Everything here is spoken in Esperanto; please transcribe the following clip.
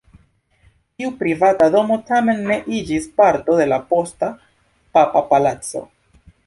Tiu privata domo tamen ne iĝis parto de la posta papa palaco.